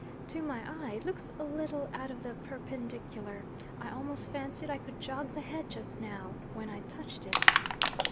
'To my eye, it looks a little out of the perpendicular. I almost fancied I could jog the head just now, when I touched it.'